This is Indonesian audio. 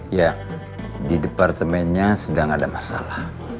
ya di departemennya sedang ada masalah